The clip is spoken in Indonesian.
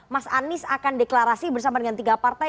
mas anies akan deklarasi bersama dengan tiga partai